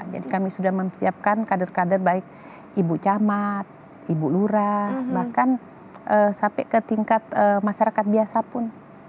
jadi kami sudah menyiapkan kader kader baik ibu camat ibu lura bahkan sampai ke tingkat masyarakat biasa pun